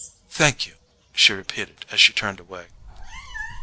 "Thank you," she repeated as she turned away.